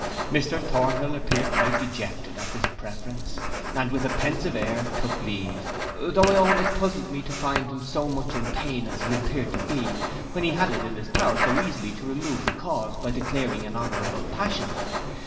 Mr Thornhill appeared quite dejected at this preference, and with a pensive air took leave, though I own it puzzled me to find him so much in pain as he appeared to be, when he had it in his power so easily to remove the cause, by declaring an honourable passion.